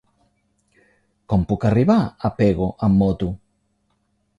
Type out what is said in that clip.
Com puc arribar a Pego amb moto?